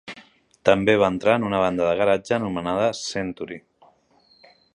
També va entrar en una banda de garatge nomenada "Century".